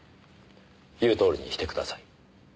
言うとおりにしてください。